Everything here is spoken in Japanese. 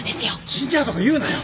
死んじゃうとか言うなよ